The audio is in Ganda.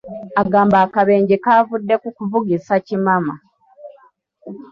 Agamba akabenje kavudde ku kuvugisa kimama.